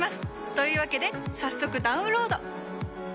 というわけで早速ダウンロード！